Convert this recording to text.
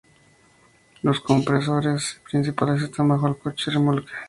Los compresores principales están bajo el coche remolque.